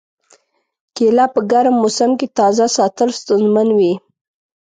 کېله په ګرم موسم کې تازه ساتل ستونزمن وي.